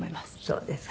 そうですか。